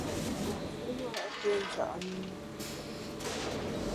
Ma’she yua a pé nja’ ne ne ma !